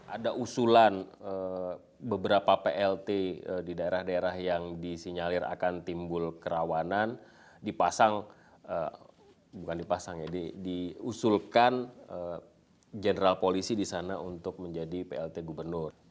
ada usulan beberapa plt di daerah daerah yang disinyalir akan timbul kerawanan dipasang bukan dipasang ya diusulkan general polisi di sana untuk menjadi plt gubernur